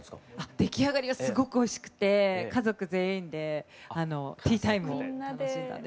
出来上がりがすごくおいしくて家族全員でティータイムを楽しんだんですけど。